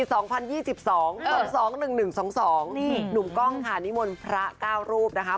ตอน๒๑๑๒๒นี่หนุ่มก้องค่ะนิมนต์พระ๙รูปนะคะ